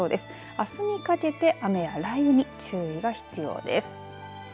あすにかけて雨や雷雨に注意が必要です。